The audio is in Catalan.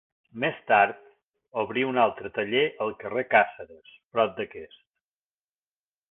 Més tard, obrí un altre taller al carrer Càceres, prop d'aquest.